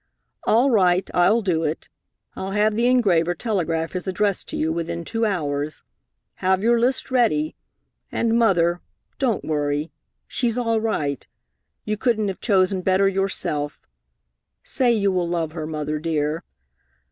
"All right, I'll do it. I'll have the engraver telegraph his address to you within two hours. Have your list ready. And, Mother, don't worry. She's all right. You couldn't have chosen better yourself. Say you will love her, Mother dear."